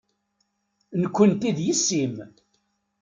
Nekkenti d yessi-m.